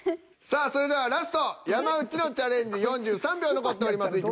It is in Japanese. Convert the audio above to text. さあそれではラスト山内のチャレンジ４３秒残っております。